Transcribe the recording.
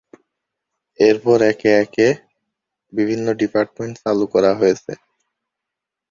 এরপর একে একে বিভিন্ন ডিপার্টমেন্ট চালু করা হয়েছে।